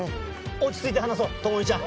落ち着いて話そう朋美ちゃん。